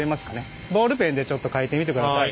ボールペンでちょっと書いてみてください。